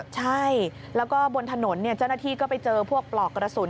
ใช่แล้วก็บนถนนเจ้าหน้าที่ก็ไปเจอพวกปลอกกระสุน